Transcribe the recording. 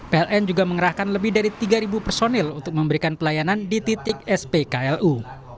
pln juga mengerahkan lebih dari tiga personil untuk memberikan pelayanan di titik spklu